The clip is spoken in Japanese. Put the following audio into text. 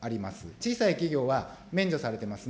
小さい企業は免除されてますね。